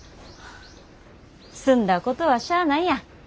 済んだことはしゃあないやん。